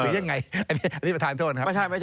หรือยังไงอันนี้ประธานโทษนะครับ